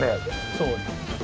そうです。